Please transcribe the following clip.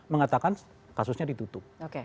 mengatakan kasusnya ditutup